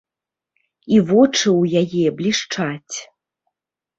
І вочы ў яе блішчаць.